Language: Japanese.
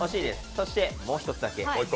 そしてもう一つだけ。